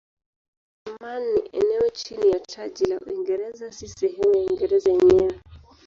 Man ni eneo chini ya taji la Uingereza si sehemu ya Uingereza yenyewe.